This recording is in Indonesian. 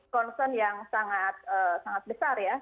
concern yang sangat besar ya